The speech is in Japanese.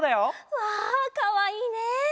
わあかわいいね！